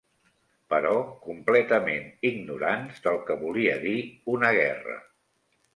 Però completament ignorants del que volia dir una guerra.